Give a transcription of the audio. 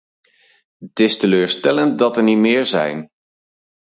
Het is teleurstellend dat er niet meer zijn.